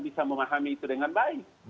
bisa memahami itu dengan baik